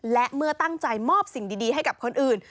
และเมื่อตั้งใจมอบสิ่งดีให้กับคนอื่น